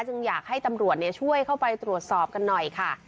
อยากให้ตำรวจช่วยเข้าไปตรวจสอบกันหน่อยค่ะ